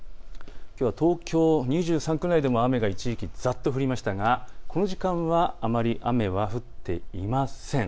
東京２３区内でも雨がざっと降りましたがこの時間はあまり雨は降っていません。